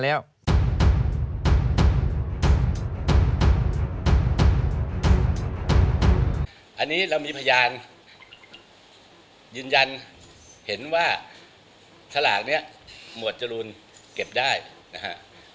อันนี้เรามีพยานยืนยันเห็นว่าสลากนี้หมวดจรูนเก็บได้นะฮะ